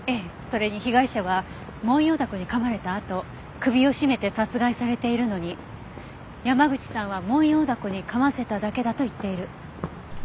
それに被害者はモンヨウダコに噛まれたあと首を絞めて殺害されているのに山口さんはモンヨウダコに噛ませただけだと言っている。